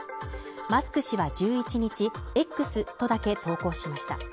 マスク氏は１１日、Ｘとだけ投稿しました。